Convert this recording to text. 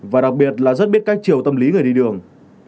và đặc biệt là rất biết các chiều tâm lý người đi đường